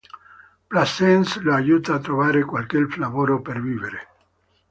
Brassens lo aiuta a trovare qualche lavoro per vivere.